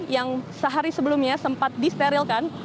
yang sehari sebelumnya sempat disterilkan